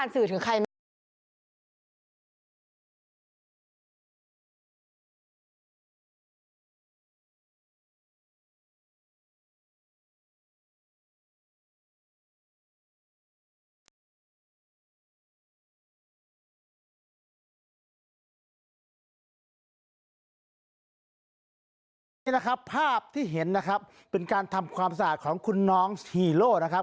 อันนี้นะครับภาพที่เห็นนะครับเป็นการทำความสะอาดของคุณน้องฮีโร่นะครับ